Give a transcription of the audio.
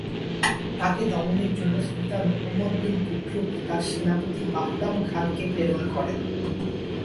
তাকে দমনের জন্য সুলতান মোহাম্মদ বিন তুঘলক তার সেনাপতি বাহরাম খানকে প্রেরণ করেন।